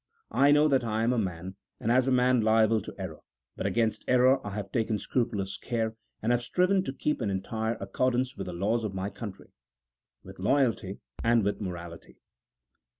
I know that I am a man, and as a man liable to error, but against error I have taken scrupulous care, and have striven to keep in entire accordance with the laws of my country, with loyalty, and with morality.